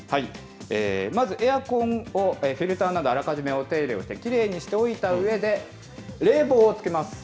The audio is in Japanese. まず、エアコンをフィルターなどあらかじめお手入れをして、きれいにしておいたうえで、冷房をつけます。